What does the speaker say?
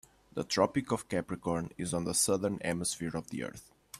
The Tropic of Capricorn is on the Southern Hemisphere of the earth.